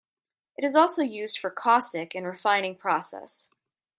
It is also used for caustic in refining process.